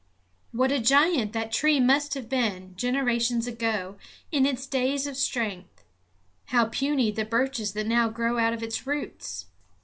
What a giant that tree must have been, generations ago, in its days of strength; how puny the birches that now grow out of its roots!